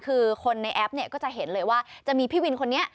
คือคนในแอปเนี่ยก็จะเห็นเลยว่าจะมีพี่วินคนนี้